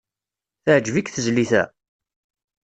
Teɛjeb-ik tezlit-a?